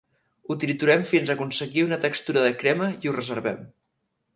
Ho triturem fins aconseguir una textura de crema i ho reservem.